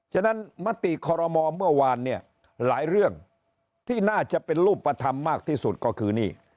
ฉะนั้นมติคอรมอเมื่อวานเนี่ยหลายเรื่องที่น่าจะเป็นรูปธรรมมากที่สุดก็คือนี่